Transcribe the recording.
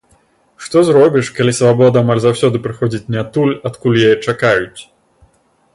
Што зробіш, калі свабода амаль заўсёды прыходзіць не адтуль, адкуль яе чакаюць.